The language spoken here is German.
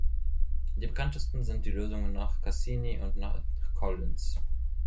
Die bekanntesten sind die Lösungen nach Cassini und nach Collins.